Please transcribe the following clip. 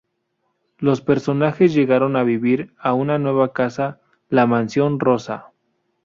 Los personajes llegaron a vivir a una nueva casa, la "mansión Rossa".